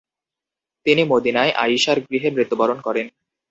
তিনি মদিনায় আয়িশার গৃহে মৃত্যুবরণ করেন।